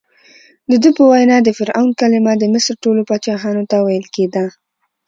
دده په وینا د فرعون کلمه د مصر ټولو پاچاهانو ته ویل کېده.